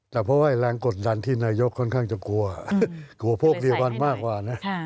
แต่แรงกฎดันที่นายกค่อนข้างจะกลัวต่อไปกลัวพวกเดียวกันมากกว่า